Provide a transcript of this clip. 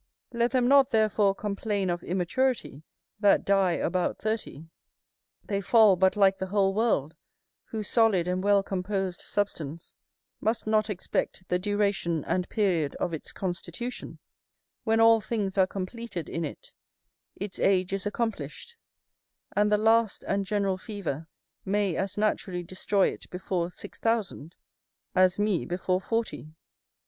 Let them not therefore complain of immaturity that die about thirty: they fall but like the whole world, whose solid and well composed substance must not expect the duration and period of its constitution: when all things are completed in it, its age is accomplished; and the last and general fever may as naturally destroy it before six thousand, as me before forty.